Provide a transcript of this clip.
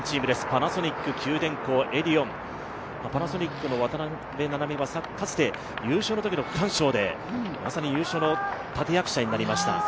パナソニック、九電工、エディオンパナソニックの渡邊菜々美はかつて優勝のときの区間賞でまさに優勝の立役者になりました。